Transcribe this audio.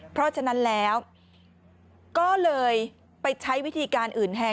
เพราะฉะนั้นแล้วก็เลยไปใช้วิธีการอื่นแทน